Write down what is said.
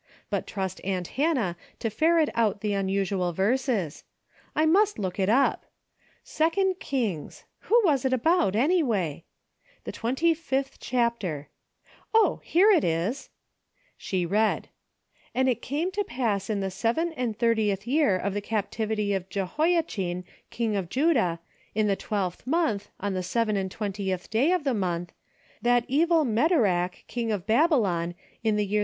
But trust aunt Hannah to ferret out the unusual verses. I must look it up. Second Kings : who was it about, anyway ? The twenty fifth chapter. Oh ! here it is !" She read ;" 'And it came to pass in the seven and thir tieth year of the captivity of Jehoiachin king of Judah, in the twelfth month, on the seven and twentieth day of the month, that Evil me 24 A DAILY rate:' rodach king of Babylon in the year.